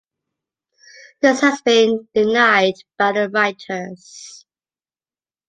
This has been denied by the writers.